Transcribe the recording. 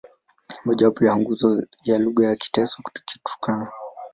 Ni mmojawapo wa nguzo ya lugha za Kiteso-Kiturkana.